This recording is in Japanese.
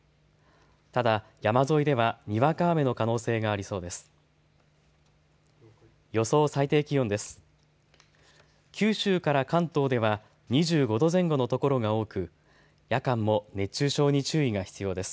ただ山沿いではにわか雨の可能性がありそうです。